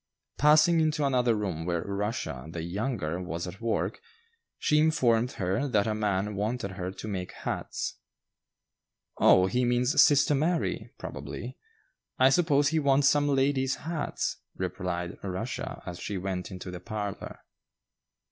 Passing into another room where "Rushia" the younger was at work, she informed her that a man wanted her to make hats. "Oh, he means sister Mary; probably. I suppose he wants some ladies' hats," replied Rushia, as she went into the parlor.